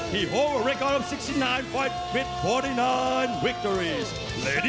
เขาสมัครตัว๖๙ต่อและบ้า๔๙ต่อ